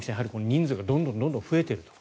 人数がどんどん増えていると。